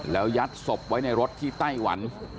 แล้วยัดศพไว้ในรถที่ไต้หวัน